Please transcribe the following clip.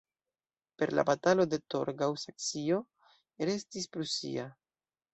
Per la Batalo de Torgau Saksio restis prusia.